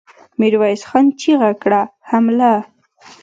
ميرويس خان چيغه کړه! حمله!